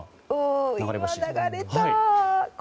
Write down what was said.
今、流れた！